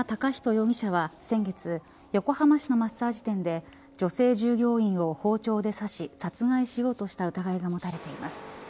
容疑者は先月横浜市のマッサージ店で女性従業員を包丁で刺し殺害しようとした疑いが持たれています。